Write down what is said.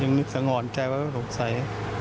ยังนึกสงห่อนใจว่าก็สงสัย